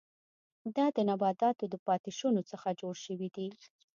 دا د نباتاتو د پاتې شونو څخه جوړ شوي دي.